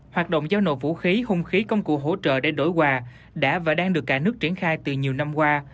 hoạt động giao nổ vũ khí hung khí công cụ hỗ trợ để đổi quà đã và đang được cả nước triển khai từ nhiều năm qua